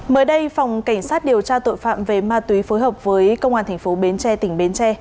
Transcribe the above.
mới đây phòng cảnh sát điều tra tội phạm về ma túy phối hợp với công an thành phố bến tre tỉnh bến tre